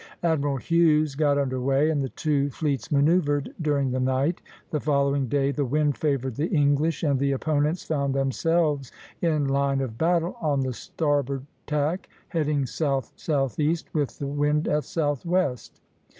Admiral Hughes got under way, and the two fleets manoeuvred during the night. The following day the wind favored the English, and the opponents found themselves in line of battle on the starboard tack, heading south southeast, with the wind at southwest.